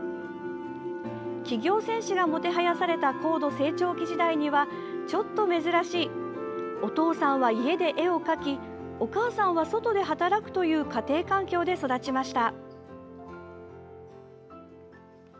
企業戦士がもてはやされた高度成長期時代にはちょっと珍しいお父さんは家で絵を描きお母さんは外で働くという家庭環境で育ちました。